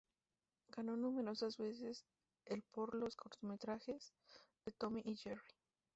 Ganó numerosas veces el por los cortometrajes de "Tom y Jerry".